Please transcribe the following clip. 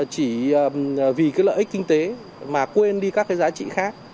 chỉ vì cái lợi ích kinh tế mà quên đi các cái giá trị khác